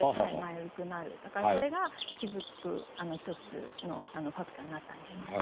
だからそれが気付く一つのファクターになったりしますね。